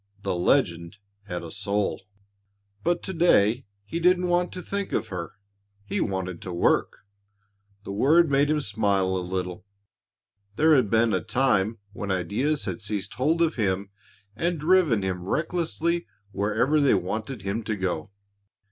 The legend had a soul. But to day he didn't want to think of her. He wanted to work. The word made him smile a little. There had been a time when ideas had seized hold of him and driven him recklessly wherever they wanted him to go.